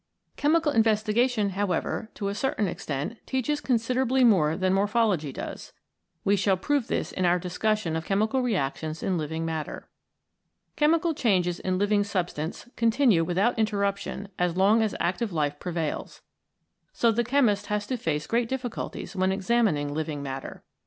Chemical investigation, however, to a certain extent teaches considerably more than Morpho logy does. We shall prove this in our discussion of chemical reactions in living matter. Chemical changes in living substance con tinue without interruption as long as active life prevails. So the chemist has to face great difficulties when examining living matter.